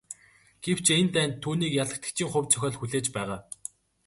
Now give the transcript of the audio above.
Гэвч энэ дайнд түүнийг ялагдагчийн хувь зохиол хүлээж байгаа.